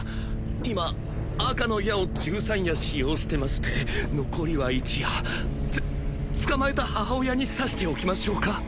今赤の矢を１３矢使用してまして残りは１矢つ捕まえた母親に刺しておきましょうか？